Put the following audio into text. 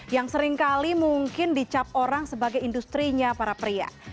yang seringkali mungkin dicap orang sebagai industri nya para pria